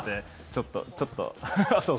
ちょっと、ちょっと。